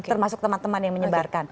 termasuk teman teman yang menyebarkan